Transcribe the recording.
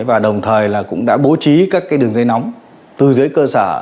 và đồng thời cũng đã bố trí các đường dây nóng từ dưới cơ sở